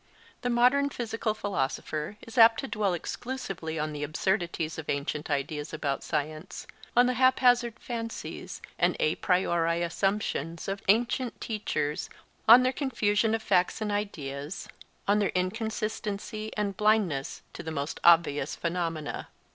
The modern physical philosopher is apt to dwell exclusively on the absurdities of ancient ideas about science, on the haphazard fancies and a priori assumptions of ancient teachers, on their confusion of facts and ideas, on their inconsistency and blindness to the most obvious phenomena.